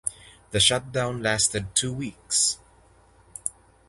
The shutdown lasted two weeks.